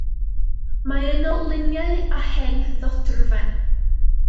Mae yno luniau a hen ddodrefn.